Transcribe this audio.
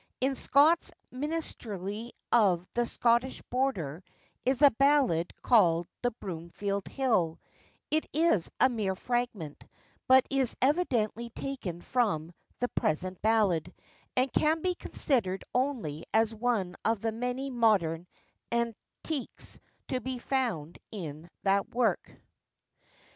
In Scott's Minstrelsy of the Scottish Border is a ballad called the Broomfield Hill; it is a mere fragment, but is evidently taken from the present ballad, and can be considered only as one of the many modern antiques to be found in that work.